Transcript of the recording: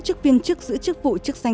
chức viên chức giữ chức vụ chức danh